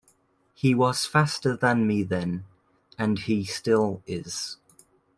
He was faster than me then, and he still is.